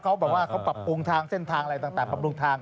เขาบอกว่าเขาปรับปรุงทางเส้นทางอะไรต่าง